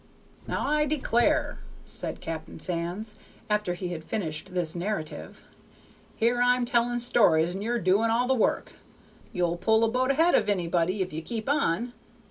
"Now I declare," said Captain Sands, after he had finished this narrative, "here I'm a telling stories and you're doin' all the work. You'll pull a boat ahead of anybody, if you keep on.